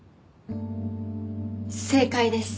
正解です。